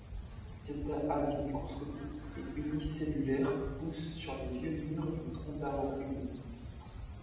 Cette algue microscopique et unicellulaire pousse sur les vieux murs et troncs d'arbres humides.